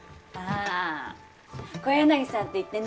あ小柳さんっていってね